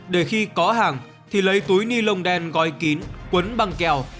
để khi có hàng thì lấy túi ni lông đen gói kín quấn băng keo